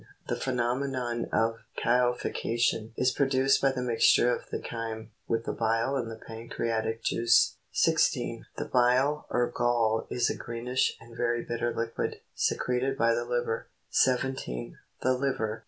The phenomenon of chylification is produced by the mixture of the chyme, with the bile and the pancre atic juice. 16. The bile, or gall is a greenish and very bitter liquid, secreted by the liver. 17. The liver, (Fig. 22, f.)